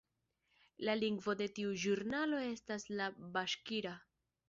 La lingvo de tiu ĵurnalo estas la baŝkira.